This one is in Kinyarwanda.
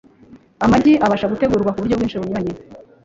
Amagi abasha gutegurwa ku buryo bwinshi bunyuranye